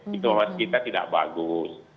diplomasi kita tidak bagus